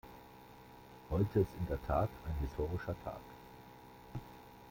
Heute ist in der Tat ein historischer Tag.